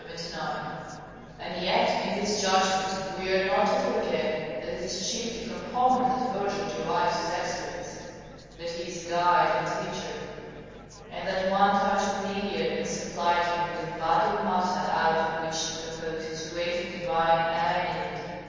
] and yet in this judgment we are not to forget that it is chiefly from Homer that Virgil derives his excellence, that he is guide and teacher; and that one touch of the Iliad has supplied him with body and matter out of which to compose his great and divine AEneid.